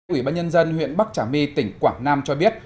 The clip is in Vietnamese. ủy ban nhân dân huyện bắc trà my tỉnh quảng nam cho biết